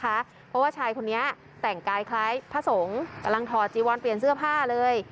เพราะว่าชายคนนี้แต่งกายคล้ายพระสงฆ์กำลังถอดจีวอนเปลี่ยนเสื้อผ้าเลย